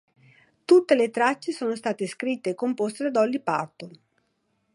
Tutte le tracce sono state scritte e composte da Dolly Parton.